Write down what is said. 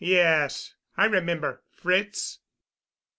"Yes, I remember Fritz?"